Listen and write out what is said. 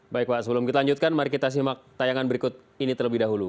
baik pak sebelum kita lanjutkan mari kita simak tayangan berikut ini terlebih dahulu